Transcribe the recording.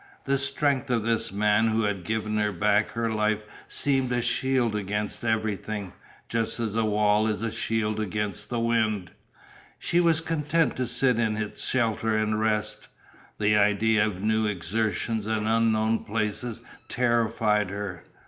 The strength of this man who had given her back her life seemed a shield against everything, just as a wall is a shield against the wind; she was content to sit in its shelter and rest. The idea of new exertions and unknown places terrified her.